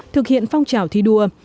thực hiện phong trào thi đua